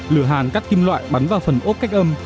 lửa hàn các kim loại bắn vào phần ốp cách âm